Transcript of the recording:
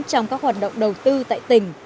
trong các hoạt động đầu tư tại tỉnh